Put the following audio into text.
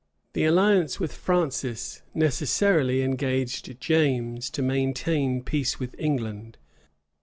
The alliance with Francis necessarily engaged James to maintain peace with England.